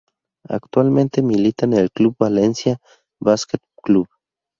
Actualmente milita en el club Valencia basket club.